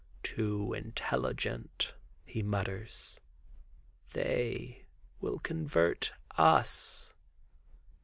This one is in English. "Too intelligent," he mutters; "they will convert us."